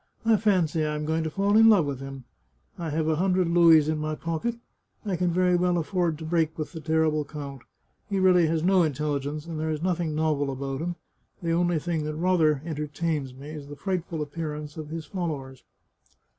" I fancy I am going to fall in love with him. I have a hundred louis in my pocket. I can very well aflford to break with the terrible count. He really has no intelligence, and there is nothing novel about him ; the only thing that rather entertains me is the frightful appearance of his fol lowers."